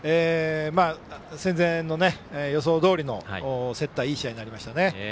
戦前の予想どおりの競ったいい試合になりましたね。